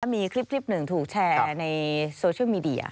มีคลิปหนึ่งถูกแชร์ในโซเชียลมีเดีย